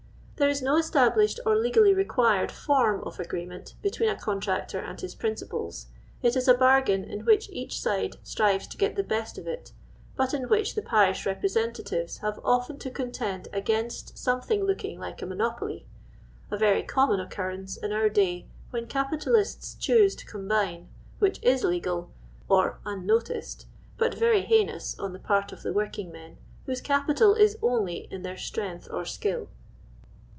There is no established or legally required foriK of agreement between a contractor and his principals; it is a bargain in which each side strives to get the best of it, but in which the parish representatives have often to contend against something looking like a monopoly; a Tety common occurrence in our day when capital ists choose to combine, which u legal, or unno ticed, but very heinous on the part of the working men, whoso capital is only in their strength or skill.